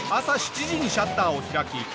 朝７時にシャッターを開き。